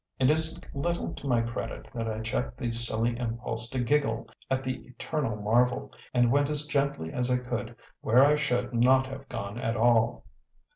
It is little to my credit that I checked the silly impulse to giggle at the eternal marvel, and went as gently as I could where I should not have gone at all.